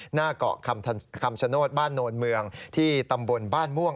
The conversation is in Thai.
หน้าเกาะคำชโนธบ้านโนนเมืองที่ตำบลบ้านม่วง